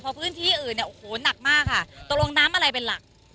เพราะพื้นที่อื่นเนี่ยโอ้โหหนักมากค่ะตกลงน้ำอะไรเป็นหลัก